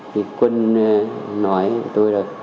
thì quân nói tôi là